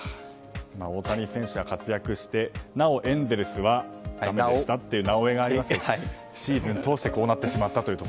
大谷選手は活躍してなおエンゼルスはだめでしたという「なおエ」がありましたしシーズン通してこうなってしまったと。